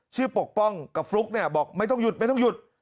ปกป้องกับฟลุ๊กเนี่ยบอกไม่ต้องหยุดไม่ต้องหยุด